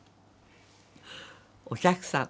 お客さん。